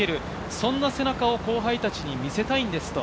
そんな背中を後輩たちに見せたいんです。